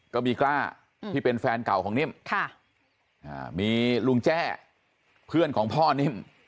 กล้าที่เป็นแฟนเก่าของนิ่มมีลุงแจ้เพื่อนของพ่อนิ่ม